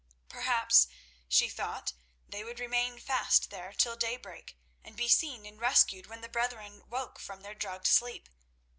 Perhaps, she thought, they would remain fast there till daybreak, and be seen and rescued when the brethren woke from their drugged sleep.